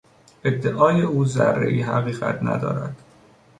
ادعای او ذرهای حقیقت ندارد.